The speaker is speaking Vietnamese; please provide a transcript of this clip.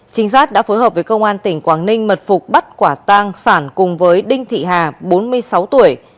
trinh sát đã phối hợp với công an tỉnh quảng ninh mật phục bắt quả tang sản cùng với đinh thị hà bốn mươi sáu tuổi